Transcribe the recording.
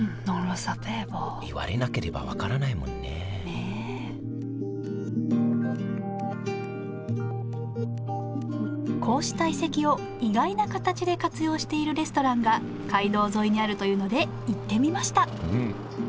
言われなければ分からないもんねねえこうした遺跡を意外な形で活用しているレストランが街道沿いにあるというので行ってみました。